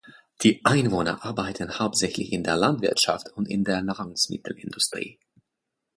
Die Einwohner arbeiten hauptsächlich in der Landwirtschaft und in der Nahrungsmittelindustrie.